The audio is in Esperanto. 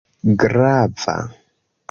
grava